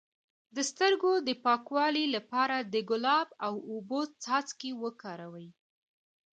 د سترګو د پاکوالي لپاره د ګلاب او اوبو څاڅکي وکاروئ